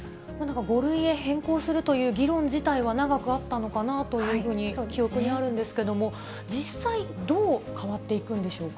５類へ変更するという議論自体は長くはあったのかなというふうに記憶にあるんですけれども、実際、どう変わっていくんでしょうか。